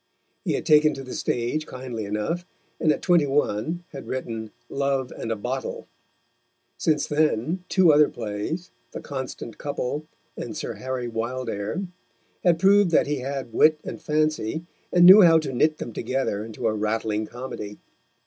He had taken to the stage kindly enough, and at twenty one had written Love and a Bottle. Since then, two other plays, The Constant Couple and Sir Harry Wildair, had proved that he had wit and fancy, and knew how to knit them together into a rattling comedy.